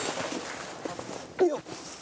よっ。